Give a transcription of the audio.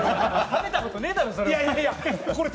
食べたことねぇだろ、それ。